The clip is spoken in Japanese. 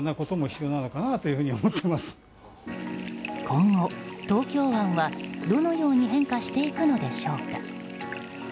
今後、東京湾は、どのように変化していくのでしょうか。